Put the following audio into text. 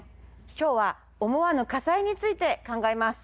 今日は思わぬ火災について考えます。